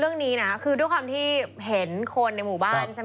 เรื่องนี้นะคือด้วยความที่เห็นคนในหมู่บ้านใช่ไหม